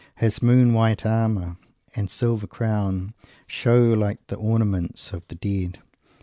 His moon white armour and silvery crown show like the ornaments of the dead.